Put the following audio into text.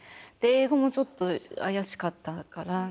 英語もちょっと怪しかったから。